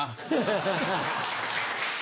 ハハハ。